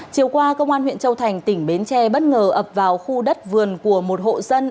chiều qua công an huyện châu thành tỉnh bến tre bất ngờ ập vào khu đất vườn của một hộ dân